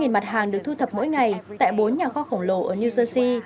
một trăm linh mặt hàng được thu thập mỗi ngày tại bốn nhà kho khổng lồ ở new zealand